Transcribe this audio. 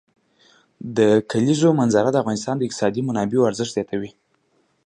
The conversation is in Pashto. د کلیزو منظره د افغانستان د اقتصادي منابعو ارزښت زیاتوي.